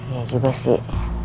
iya juga sih